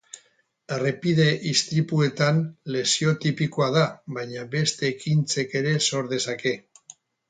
Errepide-istripuetan lesio tipikoa da, baina beste ekintzek ere sor dezake.